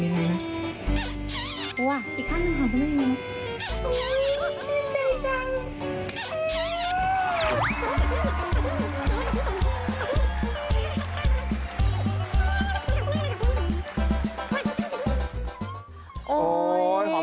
แม่ไหนหอมคุณแม่เวลาหอมคุณแม่แม่หอมอย่างไรนะ